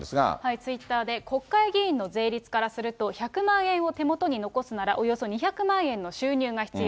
ツイッターで、国会議員の税率からすると、１００万円を手元に残すならおよそ２００万円の収入が必要。